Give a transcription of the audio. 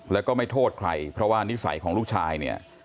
แล้วก็ไม่โทษใครเพราะว่านิสัยของลูกชายเนี่ย